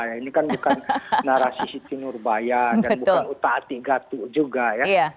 ini kan bukan narasi siti nurbaya dan bukan utaati gatuh juga ya